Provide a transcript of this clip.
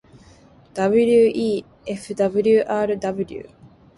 wefwrw